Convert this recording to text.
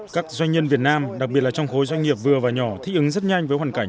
các doanh nhân việt nam đặc biệt là trong khối doanh nghiệp vừa và nhỏ thích ứng rất nhanh với hoàn cảnh